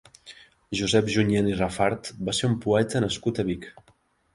Josep Junyent i Rafart va ser un poeta nascut a Vic.